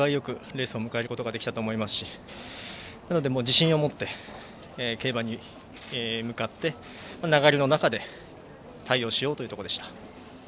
返し馬今までで一番具合よくレースを迎えることができましたしなので自信を持って競馬に向かって流れの中で対応しようというところでした。